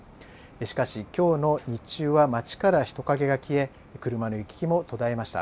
しかし、今日の日中は街から人影が消え車の行き来も途絶えました。